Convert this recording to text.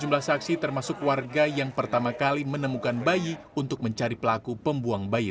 sejumlah saksi termasuk warga yang pertama kali menemukan bayi untuk mencari pelaku pembuang bayi